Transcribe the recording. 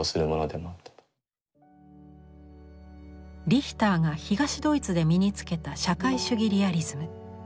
リヒターが東ドイツで身につけた社会主義リアリズム。